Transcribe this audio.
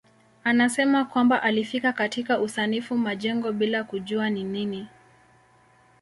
Anasema kwamba alifika katika usanifu majengo bila kujua ni nini.